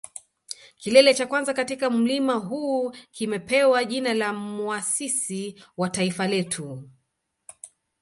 Kilele cha kwanza katika mlima huu kimepewa jina la muasisi wa taifa letu